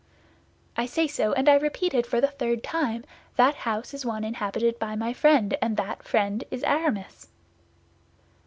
"I say so, and I repeat it for the third time; that house is one inhabited by my friend, and that friend is Aramis."